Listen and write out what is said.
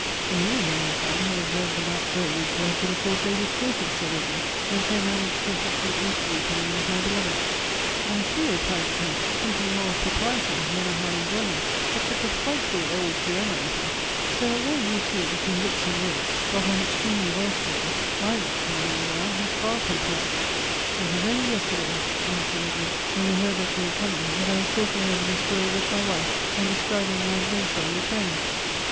" And you, in the meantime, had observed the back way which led to the court ladies' quarters," said Edward, " and so managed to effect an interview for me with my beloved." 5 98 Goethe's " And she," replied the Count, " thinking more of pro priety than of my enjoyment, liad kept a frightful old duenna with her. So that, while you two, between looks and words, got on extremely well together, my lot, in the meanwhile, was for from pleasant." " It was only yesterday," answered Edward, " when we heard that j'ou were coming, that I was talking over the story with my wife, and describing our adventure on re turning.